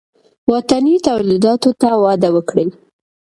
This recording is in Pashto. وطني تولیداتو ته وده ورکړئ